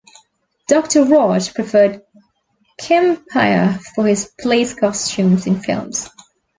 Doctor Raj preferred Kempaiah for his police costumes in films.